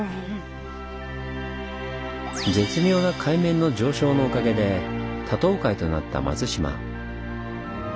絶妙な海面の上昇のおかげで多島海となった松島。